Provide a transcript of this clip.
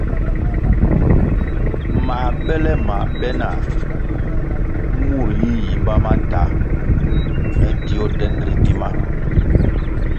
Mā bele ma be nah, murʼ yi yimba ma ta, me tio den ritima.